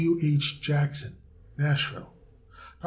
W. H. Jackson, Nashville, Tenn.